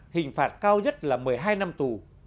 hình phạt cao nhất là một mươi hai năm tù